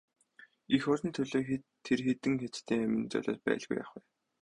Эх орны төлөө тэр хэдэн хятадын амин золиос байлгүй яах вэ?